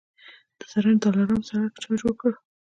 د زرنج دلارام سړک چا جوړ کړ؟